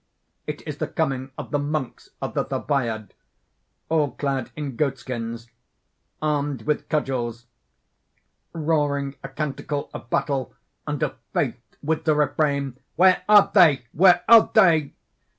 _ _It is the coming of the monks of the Thebaid, all clad in goatskins, armed with cudgels, roaring a canticle of battle and of faith with the refrain_: "Where are they? Where are they?"